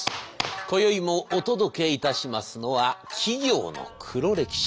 こよいもお届けいたしますのは企業の黒歴史。